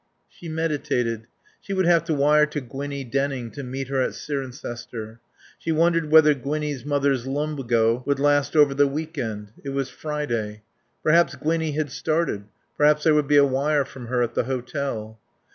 She meditated. She would have to wire to Gwinnie Denning to meet her at Cirencester. She wondered whether Gwinnie's mother's lumbago would last over the week end. It was Friday. Perhaps Gwinnie had started. Perhaps there would be a wire from her at the hotel.